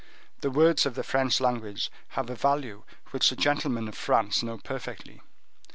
The words of the French language have a value which the gentlemen of France know perfectly.